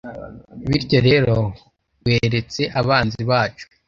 bityo rero, weretse abanzi bacu